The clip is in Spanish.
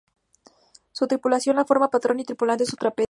Su tripulación la forman patrón y tripulante, sin trapecio.